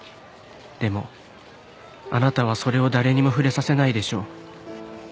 「でもあなたはそれを誰にも触れさせないでしょう」